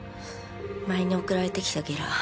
前に送られてきたゲラ